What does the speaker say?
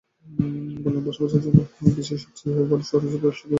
বসবাসের জন্য বিশ্বের সবচেয়ে ভালো শহর হিসেবে অস্ট্রিয়ার রাজধানী ভিয়েনার নাম উঠে এসেছে।